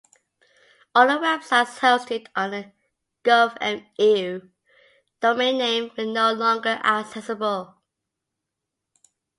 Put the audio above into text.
All the websites hosted on the gov.mu domain name were no longer accessible.